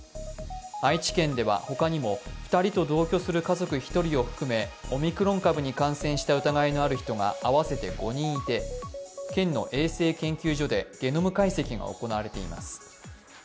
愛知県では他にも２人と同居する家族１人を含め、オミクロン株に感染した疑いのある人が合わせて５人いて県の衛生研究所でゲノム解析が行われています。